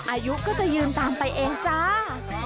อายุก็จะยืนตามไปเองจ้า